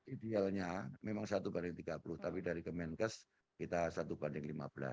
idealnya memang satu banding tiga puluh tapi dari kemenkes kita satu banding lima belas